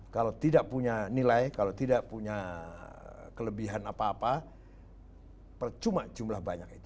kalau tidak punya nilai kalau tidak punya kelebihan apa apa percuma jumlah banyak itu